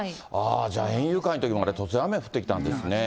じゃあ、園遊会のときも、突然雨降ってきたんですね。